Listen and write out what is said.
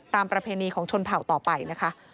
ประเพณีของชนเผ่าต่อไปนะคะ